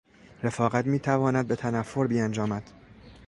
رفاقت میتواند به تنفر بیانجامد.